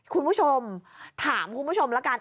คุณผู้ชมถามคุณผู้ชมแล้วกัน